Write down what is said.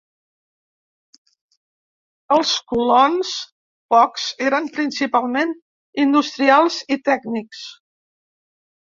Els colons, pocs, eren principalment industrials i tècnics.